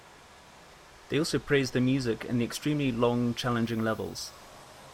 They also praised the music and the extremely long, challenging levels.